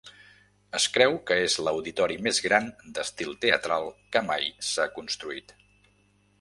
Es creu que és l'auditori més gran d'estil teatral que mai s'ha construït.